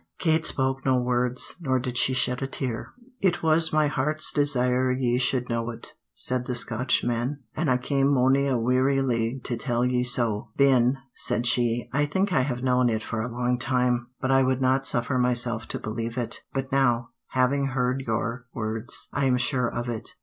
Kate spoke no word, nor did she shed a tear. "It was my heart's desire ye should know it," said the Scotchman, "an' I came mony a weary league to tell ye so." "Ben," said she, "I think I have known it for a long time, but I would not suffer myself to believe it; but now, having heard your words, I am sure of it."